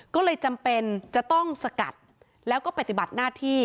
ก็เลยจำเป็นจะต้องสกัดแล้วก็ปฏิบัติหน้าที่